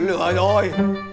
nó lừa rồi